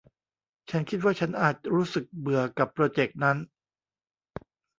ฉันคิดว่าฉันอาจรู้สึกเบื่อกับโปรเจ็กต์นั้น